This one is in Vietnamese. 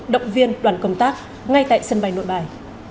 động viên đoàn công tác ngay tại sân bay nội bài